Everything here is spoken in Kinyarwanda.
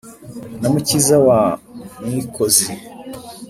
na mukiza wa mwikozi,